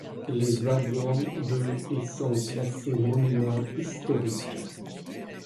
Les wagons de et sont classés monuments historiques.